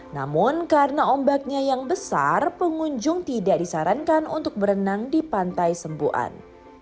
namun karena ombaknya yang besar pengunjung tidak disarankan untuk berenang di pantai sembuan